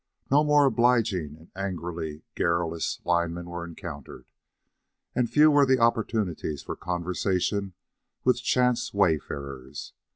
No more obliging and angrily garrulous linemen were encountered, and few were the opportunities for conversation with chance wayfarers.